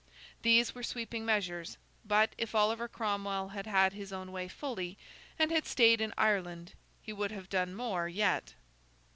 These were sweeping measures; but, if Oliver Cromwell had had his own way fully, and had stayed in Ireland, he would have done more yet.